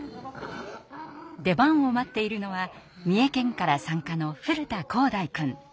出番を待っているのは三重県から参加の古田紘大くん。